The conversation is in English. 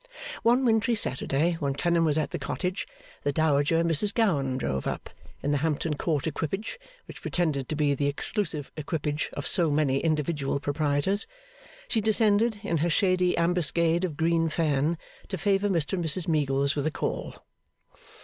One wintry Saturday when Clennam was at the cottage, the Dowager Mrs Gowan drove up, in the Hampton Court equipage which pretended to be the exclusive equipage of so many individual proprietors. She descended, in her shady ambuscade of green fan, to favour Mr and Mrs Meagles with a call.